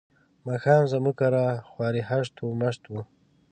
ماښام زموږ کره خوار هشت و مشت وو.